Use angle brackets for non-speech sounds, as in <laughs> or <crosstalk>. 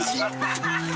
ハハハ <laughs>